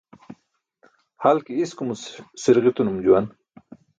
Hal ke iskumuc si̇rġitinum juwan.